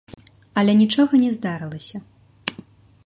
Але нічога не здарылася.